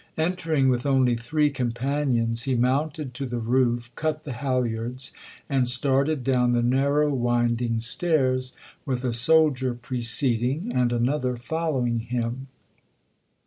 Enter ing with only three companions, he mounted to the roof, cut the halyards, and started down the narrow winding stairs with a soldier preceding and another following him.